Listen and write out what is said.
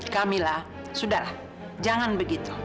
kamila sudah jangan begitu